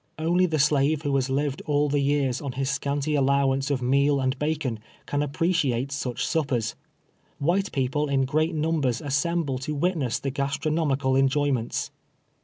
Only the slave who has lived all the years on his scanty al lowance of meal and bacon, can appreciate such sup pers. '\Vliite people in great numbers assemble to witness the gastronomical enjoyments.